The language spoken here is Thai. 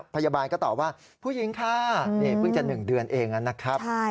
พยาบาลก็ตอบว่าผู้หญิงค่ะนี่เพิ่งจะ๑เดือนเองนะครับ